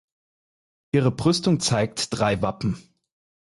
Ihre Brüstung zeigt drei Wappen.